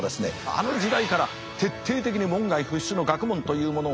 あの時代から徹底的に門外不出の学問というものをですね